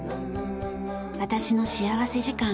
『私の幸福時間』。